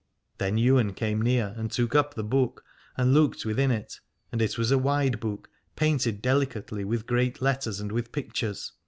Then Ywain came near and took up the book and looked within it : and it was a wide book, painted delicately with great letters and with pictures.